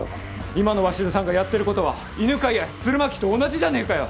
今の鷲津さんがやってることは犬飼や鶴巻と同じじゃねぇかよ！